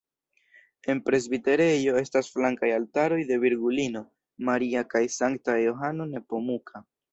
En presbiterejo estas flankaj altaroj de Virgulino Maria kaj Sankta Johano Nepomuka.